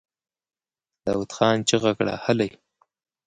داوود خان چيغه کړه! هلئ!